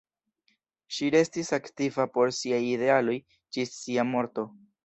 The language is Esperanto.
Ŝi restis aktiva por siaj idealoj ĝis sia morto.